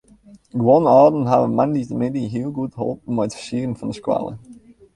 Guon âlden hawwe moandeitemiddei hiel goed holpen mei it fersieren fan de skoalle.